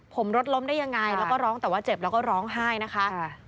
ผมรถล้มได้ยังไงแล้วก็ร้องแต่ว่าเจ็บแล้วก็ร้องไห้นะคะ